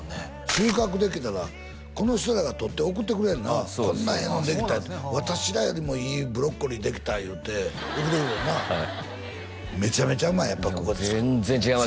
収穫できたらこの人らがとって送ってくれるなこんなええもんできたって私らよりもいいブロッコリーできたいうて送ってくれるよなはいめちゃめちゃうまい全然違いますね